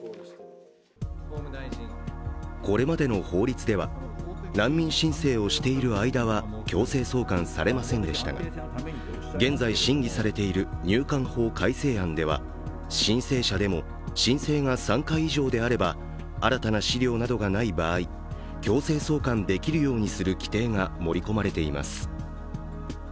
これまでの法律では、難民申請をしている間は強制送還されませんでしたが現在審議されている入管法改正案では、申請者でも申請が３回以上であれば新たな資料などがない場合強制送還できるようにする規定が盛り込まれています。